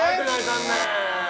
残念！